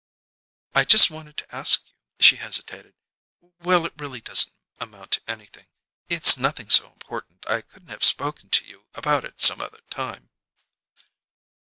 "I just wanted to ask you " She hesitated. "Well, it really doesn't amount to anything it's nothing so important I couldn't have spoken to you about it some other time."